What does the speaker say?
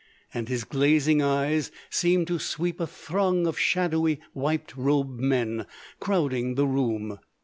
And his glazing eyes seemed to sweep a throng of shadowy white robed men crowding the room.